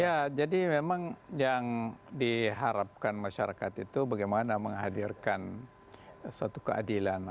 ya jadi memang yang diharapkan masyarakat itu bagaimana menghadirkan suatu keadilan